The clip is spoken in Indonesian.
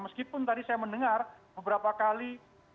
meskipun tadi saya mendengar beberapa kali